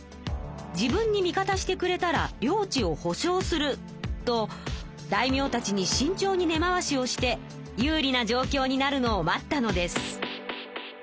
「自分に味方してくれたら領地を保証する」と大名たちにしんちょうに根回しをして有利な状きょうになるのを待ったのです。